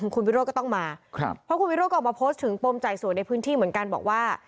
คุณวิโรธก็ต้องมาครับเพราะคุณวิโรธก็ออกมาโพสต์ถึงปมจ่ายส่วนในพื้นที่เหมือนกันบอกว่า